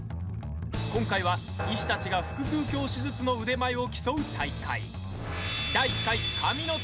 今回は、医師たちが腹くう鏡手術の腕前を競う大会。